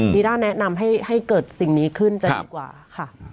ีด้าแนะนำให้เกิดสิ่งนี้ขึ้นจะดีกว่าค่ะ